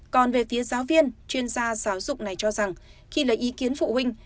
còn về phía giáo viên chuyên gia giáo dục này cho rằng khi lấy ý kiến phụ huynh